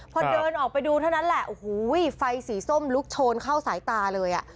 พอเดินออกไปดูเท่านั้นแหละโอ้โหไฟสีส้มลุกโชนเข้าสายตาเลยอ่ะ